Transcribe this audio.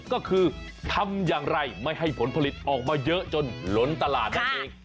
ก็คือทำอย่างไรไม่ให้ผลผลิตออกมาเยอะจนล้นตลาดนั่นเอง